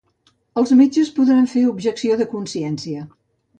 Els metges podran fer objecció de consciència.